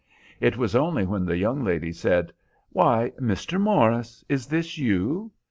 It was only when that young lady said, "Why, Mr. Morris, is this you?"